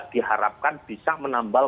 diharapkan bisa menambal